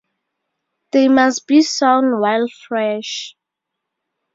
They must be sown while fresh.